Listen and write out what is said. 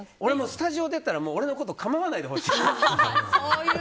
スタジオ出たら俺のことをかまわないでほしい。